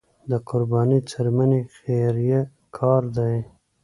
د قربانۍ څرمنې خیریه کار دی